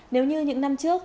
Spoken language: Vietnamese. nếu như những năm trước